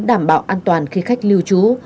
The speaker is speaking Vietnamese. đảm bảo an toàn khi khách lưu trú